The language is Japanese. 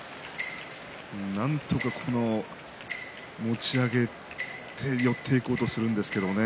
なんとか、持ち上げて寄っていこうとするんですけどね